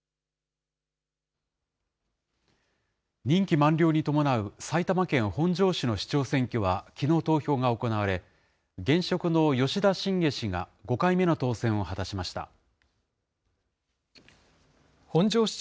任期満了に伴う埼玉県本庄市の市長選挙は、きのう投票が行われ、現職の吉田信解氏が５回目の当選を果たしました。